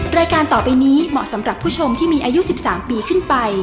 รายการต่อไปนี้เหมาะสำหรับผู้ชมที่มีอายุ๑๓ปีขึ้นไป